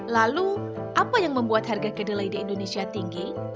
lalu apa yang membuat harga kedelai di indonesia tinggi